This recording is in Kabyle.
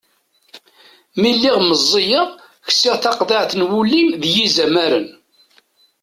Mi lliɣ meẓẓiyeɣ, ksiɣ taqeḍɛit n wulli d yizamaren.